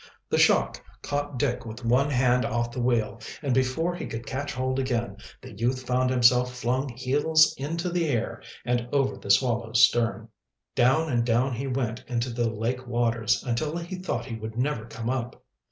The shock caught Dick with one hand off the wheel, and, before he could catch hold again, the youth found himself flung heels into the air and over the Swallow's stern. Down and down he went into the lake waters, until he thought he would never come up.